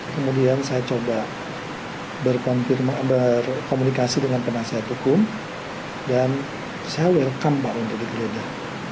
kemudian saya coba berkomunikasi dengan penasihat hukum dan saya welcome pak untuk digeledah